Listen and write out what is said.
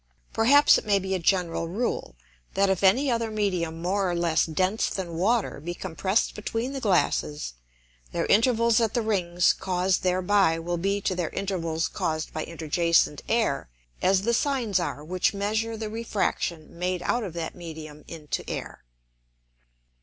Perhaps it may be a general Rule, That if any other Medium more or less dense than Water be compress'd between the Glasses, their Intervals at the Rings caused thereby will be to their Intervals caused by interjacent Air, as the Sines are which measure the Refraction made out of that Medium into Air.